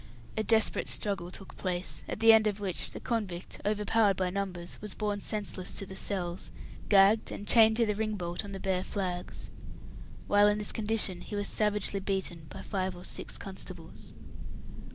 A desperate struggle took place, at the end of which the convict, overpowered by numbers, was borne senseless to the cells, gagged, and chained to the ring bolt on the bare flags. While in this condition he was savagely beaten by five or six constables.